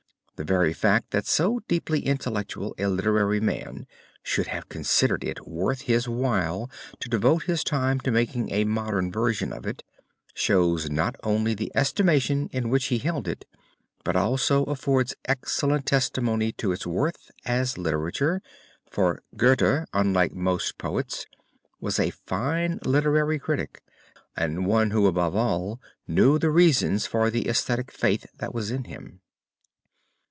The very fact that so deeply intellectual a literary man should have considered it worth his while to devote his time to making a modern version of it, shows not only the estimation in which he held it, but also affords excellent testimony to its worth as literature, for Goethe, unlike most poets, was a fine literary critic, and one who above all knew the reasons for the esthetic faith that was in him.